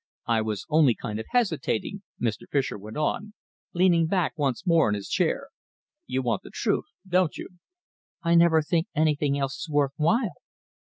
"I was only kind of hesitating," Mr. Fischer went on, leaning back once more in his chair. "You want the truth, don't you?" "I never think anything else is worth while."